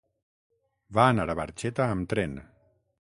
Va anar a Barxeta amb tren.